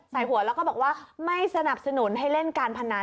ใส่หัวแล้วก็บอกว่าไม่สนับสนุนให้เล่นการพนัน